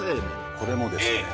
これもですね